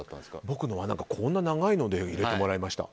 僕のは、こんな長いのでいれてもらいました。